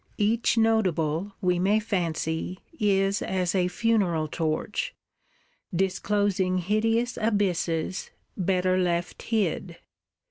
Each Notable, we may fancy, is as a funeral torch; disclosing hideous abysses, better left hid!